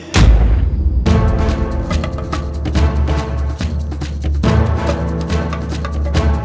paman amuk maruh